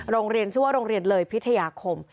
โรงเรียนชื่อว่าโรงเรียนเลยพิทยาคม